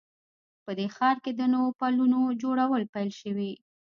په دې ښار کې د نوو پلونو جوړول پیل شوي